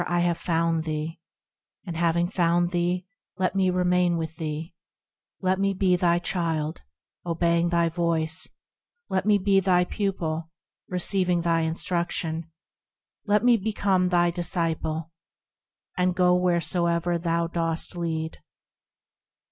I have found thee ; And having found thee, let me remain with thee; Let me be thy child, obeying thy voice ; Let me be thy pupil, receiving thy instruction; Let me become thy disciple, and fo low wheresoever thou dost lead.